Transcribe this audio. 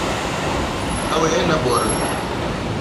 Ew ê neborin.